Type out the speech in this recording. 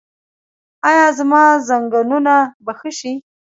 ایا زما زنګونونه به ښه شي؟